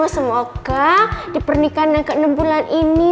semoga dipernikahannya ke enam bulan ini